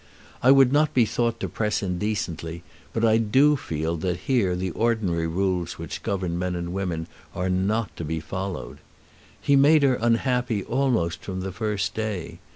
I would not be thought to press indecently, but I do feel that here the ordinary rules which govern men and women are not to be followed. He made her unhappy almost from the first day.